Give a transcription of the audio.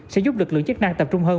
sẽ giúp lực lượng chức năng tập trung hơn